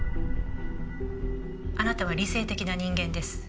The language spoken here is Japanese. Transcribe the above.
あなたは理性的な人間です。